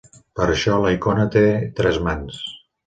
Per això, la icona té tres mans.